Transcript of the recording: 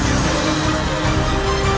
kau tidak bisa menang